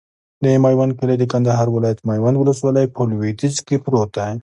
د میوند کلی د کندهار ولایت، میوند ولسوالي په لویدیځ کې پروت دی.